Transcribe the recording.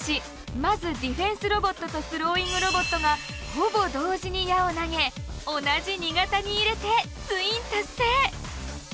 まずディフェンスロボットとスローイングロボットがほぼ同時に矢を投げ同じ２型に入れてツイン達成！